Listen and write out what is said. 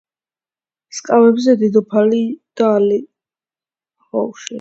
სკამებზე დედოფალი და ალექსეი ნიკოლაევიჩი დასხდნენ.